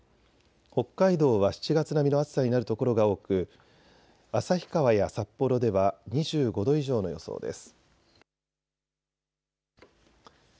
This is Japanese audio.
北海道は７月並みの暑さになる所が多く旭川や札幌では２５度以上の予想です。